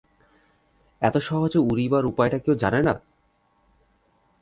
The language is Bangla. এত সহজে উড়িবার উপায়টা কেউ জানে না?